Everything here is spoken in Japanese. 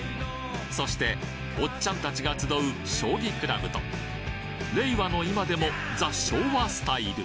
そしておっちゃん達が集う将棋クラブと令和の今でもザ昭和スタイル